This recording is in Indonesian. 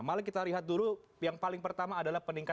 malah kita lihat dulu yang paling pertama adalah penelitian